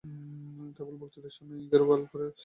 কেবল, বক্তৃতার সময় গেরুয়া আলখাল্লা ও পাগড়ি পরিব।